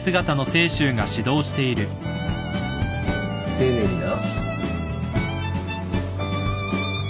丁寧にな。